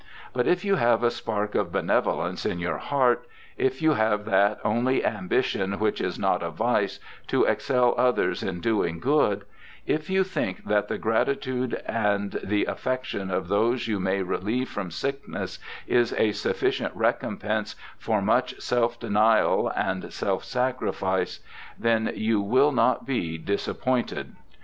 But if you have a spark of benevolence in your heart ; if you have that only ambition which is not a vice — to excel others in doing good ; if you think that the gratitude and the affec tion of those you may relieve from sickness is a sufficient recompense for much self denial and self sacrifice, then you will not be disappointed.